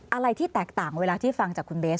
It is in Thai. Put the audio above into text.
อะไรที่แตกต่างเวลาที่ฟังจากคุณเบส